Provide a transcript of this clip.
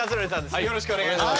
よろしくお願いします。